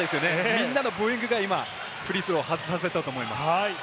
みんなのブーイングがフリースローを外させたと思います。